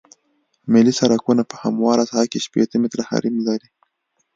ملي سرکونه په همواره ساحه کې شپیته متره حریم لري